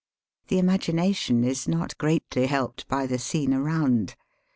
The imagination is not greatly helped by the scene around.